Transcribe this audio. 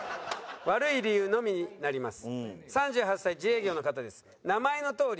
悪い理由のみになります。